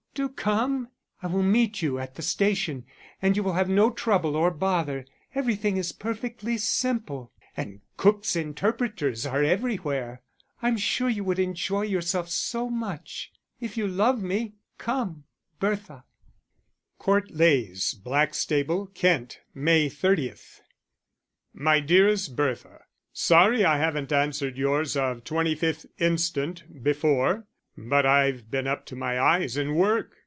Do come. I will meet you at the station, and you will have no trouble or bother everything is perfectly simple, and Cook's Interpreters are everywhere. I'm sure you would enjoy yourself so much. If you love me, come._ BERTHA. Court Leys, Blackstable, Kent, May 30. _My dearest Bertha, Sorry I haven't answered yours of 25th inst. before, but I've been up to my eyes in work.